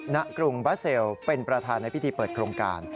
กรุงบาเซลเป็นประธานในพิธีเปิดโครงการ